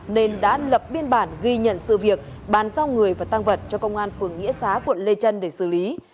nên đã lập biên bản ghi nhận sự việc bàn giao người và tăng vật cho công an phường nghĩa xá quận lê trân để xử lý